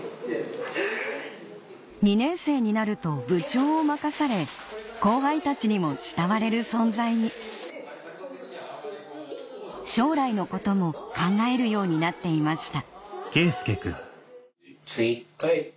２年生になると部長を任され後輩たちにも慕われる存在に将来のことも考えるようになっていました